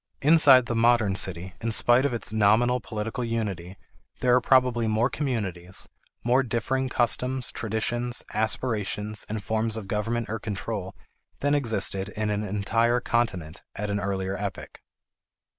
Inside the modern city, in spite of its nominal political unity, there are probably more communities, more differing customs, traditions, aspirations, and forms of government or control, than existed in an entire continent at an earlier epoch.